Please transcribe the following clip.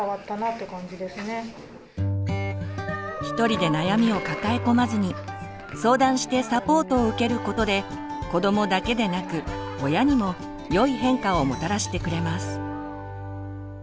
一人で悩みを抱え込まずに相談してサポートを受けることで子どもだけでなく親にも良い変化をもたらしてくれます。